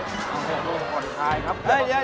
อืมขออนุญาตครับ